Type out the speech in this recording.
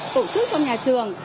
tổ chức trong nhà trường